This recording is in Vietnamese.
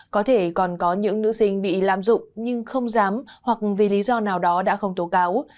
có thể còn có những nữ sinh bị lạm dụng nhưng không dám hoặc vì lý do nào đó đã không tố cáo